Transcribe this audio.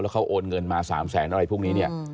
เขาโอนเงินมา๓แสนอะไรพวกนี้เนี่ย